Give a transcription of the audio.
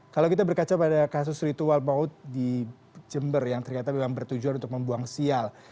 kalau kita berkaca pada kasus ritual maut di jember yang ternyata memang bertujuan untuk membuang sial